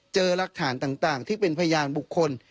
รักฐานต่างที่เป็นพยานบุคคล